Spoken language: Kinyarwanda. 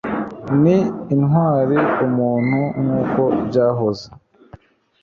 Ni intwari umuntu nkuko byahoze.